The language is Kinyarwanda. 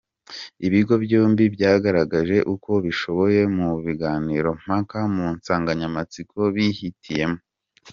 Ibigo byombi byagaragaje uko bishoboye mu biganirompaka mu nsanganyamatsiko bihitiyemo.